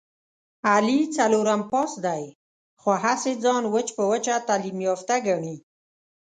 علي څلورم پاس دی، خو هسې ځان وچ په وچه تعلیم یافته ګڼي...